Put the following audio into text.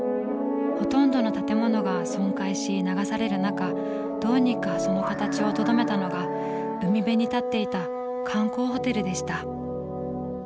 ほとんどの建物が損壊し流される中どうにかその形をとどめたのが海辺に立っていた観光ホテルでした。